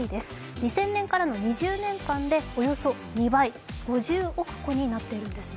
２０００年からの２０年間でおよそ２倍、５０億個になってるんですね。